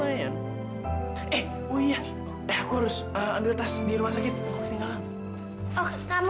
eh oh iya aku harus anduritas di rumah sakit aku tinggal lagi